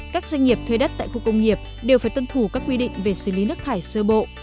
các doanh nghiệp thuê đất tại khu công nghiệp đều phải tuân thủ các quy định về xử lý nước thải sơ bộ